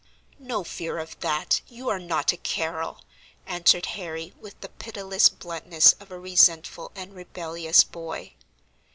"No fear of that; you are not a Carrol," answered Harry, with the pitiless bluntness of a resentful and rebellious boy.